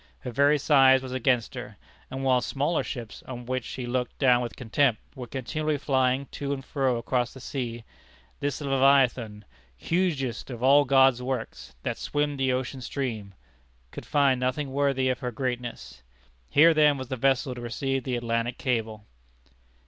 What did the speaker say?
Her very size was against her; and while smaller ships, on which she looked down with contempt, were continually flying to and fro across the sea, this leviathan, Hugest of all God's works That swim the ocean stream, could find nothing worthy of her greatness. Here then was the vessel to receive the Atlantic cable.